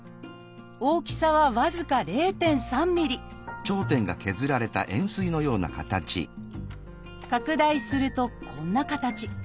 大きさは僅か０．３ｍｍ拡大するとこんな形。